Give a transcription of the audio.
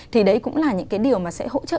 thì đấy cũng là những cái điều mà sẽ hỗ trợ